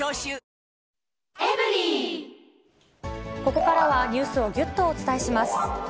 ここからはニュースをぎゅっとお伝えします。